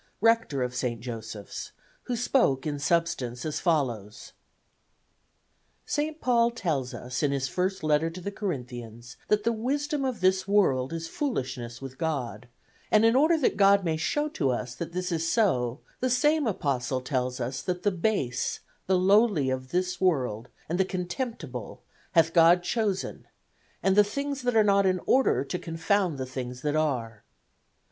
rector of St. Joseph's, who spoke in substance as follows: "St. Paul tells us in his first letter to the Corinthians that the wisdom of this world is foolishness with God, and in order that God may show to us that this is so the same Apostle tells us that the base, the lowly of this world and the contemptible hath God chosen and the things that are not in order to confound the things that are.